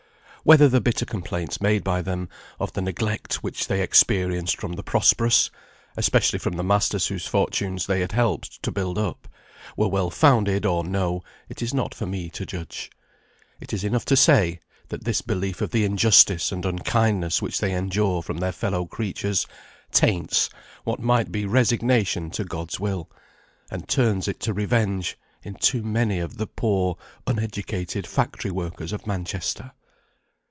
Whether the bitter complaints made by them, of the neglect which they experienced from the prosperous especially from the masters whose fortunes they had helped to build up were well founded or no, it is not for me to judge. It is enough to say, that this belief of the injustice and unkindness which they endure from their fellow creatures, taints what might be resignation to God's will, and turns it to revenge in too many of the poor uneducated factory workers of Manchester.